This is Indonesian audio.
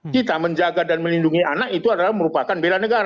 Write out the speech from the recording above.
kita menjaga dan melindungi anak itu adalah merupakan bela negara